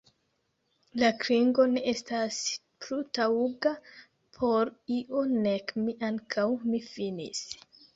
La klingo ne estas plu taŭga por io, nek mi ankaŭ; mi finis.